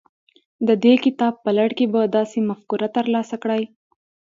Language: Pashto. د دې کتاب په لړ کې به داسې مفکوره ترلاسه کړئ.